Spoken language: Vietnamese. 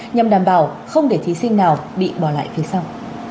nhằm đảm bảo không để thí sinh nào bị bỏ lại phía sau